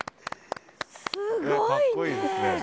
すごいね！